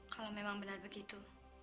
kalau memang benar begitu